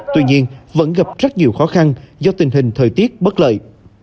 tuy nhiên vẫn gặp rất nhiều khó khăn do tình hình thời tiết bất lợi